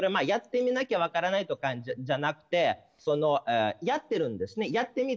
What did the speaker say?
やってみなきゃ分からないとかじゃなくてやってるんですね。